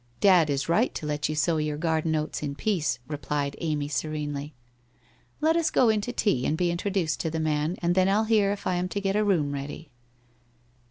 ' Dad is right to let you sow your garden oats in peace/ replied Amy serenely. * Let us go in to tea and be intro duced to the man, and then I'll hear if I am to get a room ready.'